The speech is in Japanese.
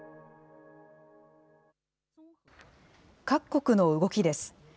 各国の動きです。